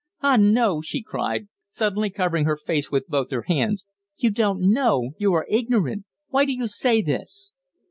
"Ah, no," she cried, suddenly covering her face with both her hands. "You don't know you are ignorant. Why do you say this?"